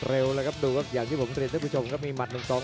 เร็วแล้วครับดูครับอย่างที่ผมเรียนท่านผู้ชมครับมีหมัดหนึ่งสอง